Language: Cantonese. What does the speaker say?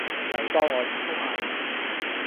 嚟幫我執屋吖